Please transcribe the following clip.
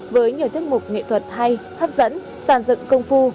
với nhiều thức mục nghệ thuật hay hấp dẫn sản dựng công phu